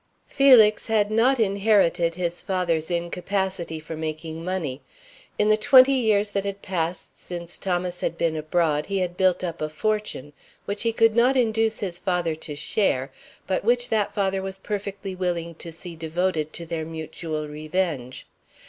Felix had not inherited his father's incapacity for making money. In the twenty years that had passed since Thomas had been abroad he had built up a fortune, which he could not induce his father to share, but which that father was perfectly willing to see devoted to their mutual revenge.